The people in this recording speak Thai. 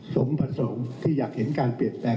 สมผสมที่อยากเห็นการเปลี่ยนแปลง